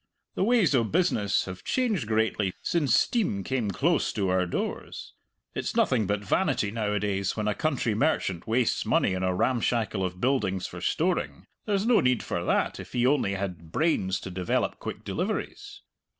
The ways o' business have changed greatly since steam came close to our doors. It's nothing but vanity nowadays when a country merchant wastes money on a ramshackle of buildings for storing there's no need for that if he only had brains to develop quick deliveries.